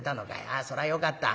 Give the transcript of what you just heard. あそらよかった。